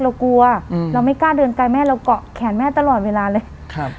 เรากลัวอืมเราไม่กล้าเดินไกลแม่เราเกาะแขนแม่ตลอดเวลาเลยครับ